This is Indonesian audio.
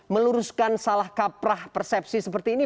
meluruskan salah kaprah persepsi seperti ini